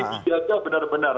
ini bisa diadil benar benar